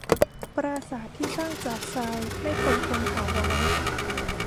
ปราสาทที่สร้างจากทรายไม่คงทนถาวร